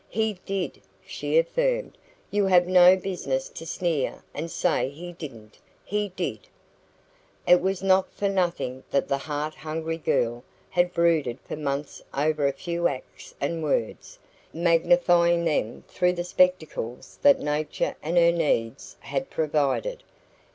"He did!" she affirmed. "You have no business to sneer and say he didn't he DID!" It was not for nothing that the heart hungry girl had brooded for months over a few acts and words, magnifying them through the spectacles that Nature and her needs had provided.